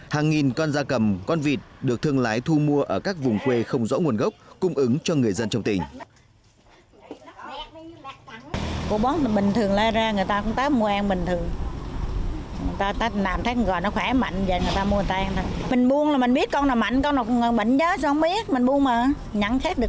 hàng nghìn con da cầm con vịt được thương lái thu mua ở các vùng quê không rõ nguồn gốc cung ứng cho người dân trong tỉnh